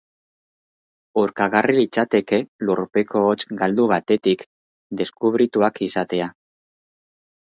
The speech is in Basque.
Urkagarri litzateke lurpeko hots galdu batetik deskubrituak izatea.